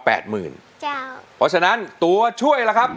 เพราะฉะนั้นตัวช่วยล่ะครับ